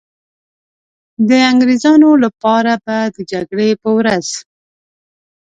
د انګریزانو لپاره به د جګړې په ورځ.